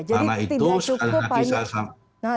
karena itu sekali lagi saya